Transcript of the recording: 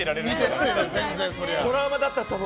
トラウマだったと思う。